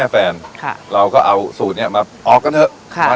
มีวันหยุดเอ่ออาทิตย์ที่สองของเดือนค่ะ